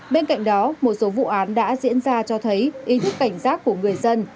bên cạnh đó một số vụ án đã diễn ra cho thấy ý thức cảnh giác của người dân